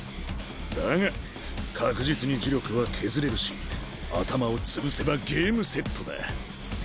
だが確実に呪力は削れるし頭を潰せばゲームセットだ。